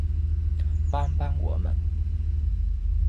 帮帮我们